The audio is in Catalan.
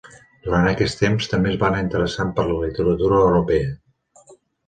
Durant aquest temps, també es va anar interessant per la literatura europea.